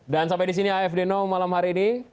dan sampai di sini afd now malam hari ini